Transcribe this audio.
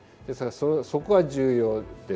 そこが重要です。